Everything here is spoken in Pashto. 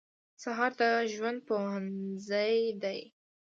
سهار د ژوند پوهنځی دی.